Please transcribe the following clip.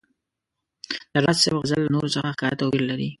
د راز صاحب غزل له نورو څخه ښکاره توپیر لري.